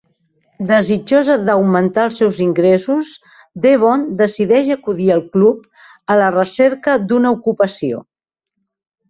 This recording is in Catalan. Desitjosa d'augmentar els seus ingressos, Devon decideix acudir al club a la recerca d'una ocupació.